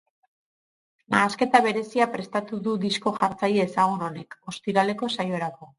Nahasketa berezia prestatu du disko-jartzaile ezagun honek, ostiraleko saiorako.